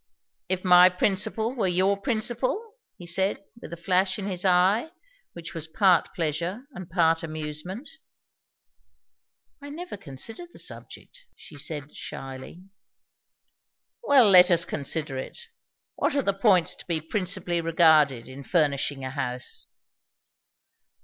"If my principle were your principle?" he said with a flash in his eye which was part pleasure and part amusement. "I never considered the subject," she said shyly. "Well let us consider it. What are the points to be principally regarded, in furnishing a house?"